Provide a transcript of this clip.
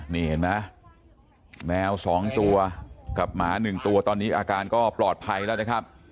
นี่เห็นไหมแมว๒ตัวกับหมา๑ตัวตอนนี้อาการก็ปลอดภัยแล้วนะครับ